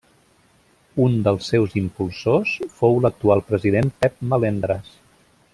Un dels seus impulsors fou l'actual president Pep Melendres.